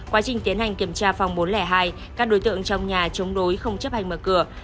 quá trình tiến hành kiểm tra phòng bốn trăm linh hai các đối tượng trong nhà chống đối không chấp hành mở cửa